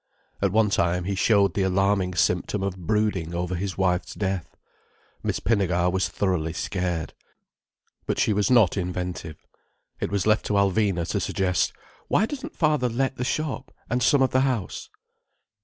At one time he showed the alarming symptom of brooding over his wife's death. Miss Pinnegar was thoroughly scared. But she was not inventive. It was left to Alvina to suggest: "Why doesn't father let the shop, and some of the house?"